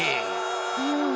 うん。